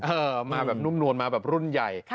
มาแบบนุ่มนวลมาแบบรุ่นใหญ่